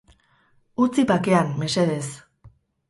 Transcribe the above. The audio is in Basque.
Utzi bakean, mesedez.